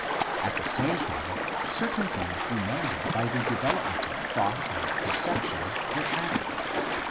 At the same time certain things demanded by the development of thought and conception were added.